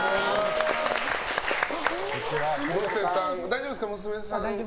廣瀬さん、大丈夫ですか娘さん。